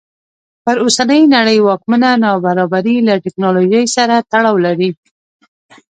پر اوسنۍ نړۍ واکمنه نابرابري له ټکنالوژۍ سره تړاو لري.